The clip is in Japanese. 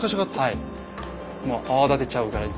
もう泡立てちゃうぐらいに。